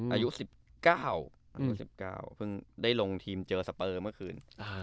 อายุ๑๙อายุ๑๙เพิ่งได้ลงทีมเจอสเปอร์เมื่อคืน